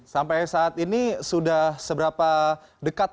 sampai saat ini sudah seberapa dekat